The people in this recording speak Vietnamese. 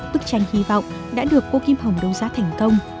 bức tranh hy vọng đã được cô kim hồng đấu giá thành công